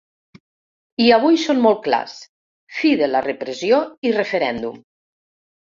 I avui són molt clars: fi de la repressió i referèndum.